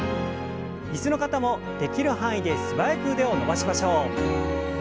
椅子の方もできる範囲で素早く腕を伸ばしましょう。